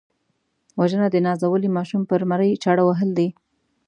وژنه د نازولي ماشوم پر مرۍ چاړه وهل دي